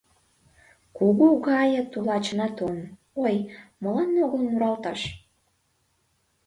Куку гае тулачына толын, ой, молан огыл муралташ?